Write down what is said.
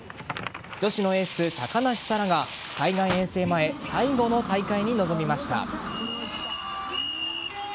女子のエース・高梨沙羅が海外遠征前最後の大会に臨みました。